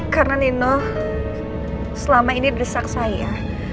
karena nino selama ini derisa ke saya